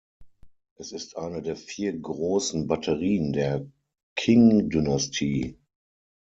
Es ist eine der vier großen Batterien der Qing-Dynastie.